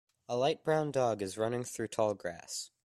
A light brown dog is running through tall grass.